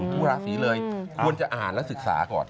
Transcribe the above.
ทุกราศีเลยควรจะอ่านและศึกษาก่อน